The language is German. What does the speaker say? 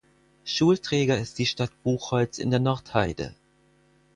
Schulträger ist die Stadt Buchholz in der Nordheide.